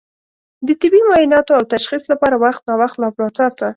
د طبي معایناتو او تشخیص لپاره وخت نا وخت لابراتوار ته